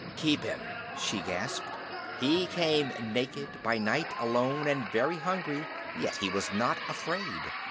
"Keep him!" she gasped. "He came naked, by night, alone and very hungry; yet he was not afraid!